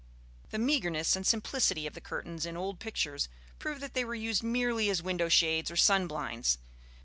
The meagreness and simplicity of the curtains in old pictures prove that they were used merely as window shades or sun blinds.